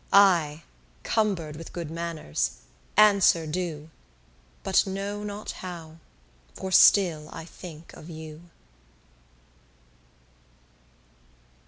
I, cumber'd with good manners, answer do, But know not how, for still I think of you.